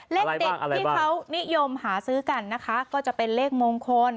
เลขเด็ดที่เขานิยมหาซื้อกันนะคะก็จะเป็นเลขมงคล